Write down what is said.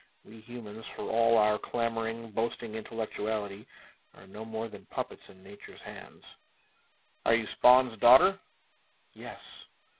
We humans, for all our clamoring, boasting intellectuality, are no more than puppets in Nature's hands. "Are you Spawn's daughter?" "Yes."